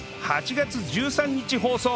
８月１３日放送